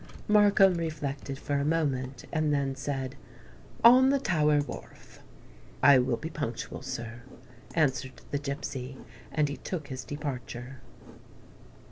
Markham reflected for a moment, and then said, "On the Tower wharf." "I will be punctual, sir," answered the gipsy; and he took his departure.